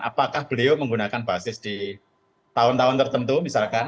apakah beliau menggunakan basis di tahun tahun tertentu misalkan